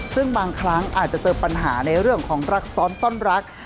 ซึ่งบางครั้งอาจจะเจอปัญหาในเรื่องของรักซ้อนซ่อนรัก